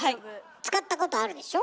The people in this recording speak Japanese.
使ったことあるでしょ？